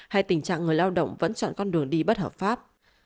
hay tình trạng người lao động vẫn chọn con đường đi bất hợp pháp